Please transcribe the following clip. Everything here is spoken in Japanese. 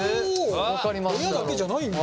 親だけじゃないんだ。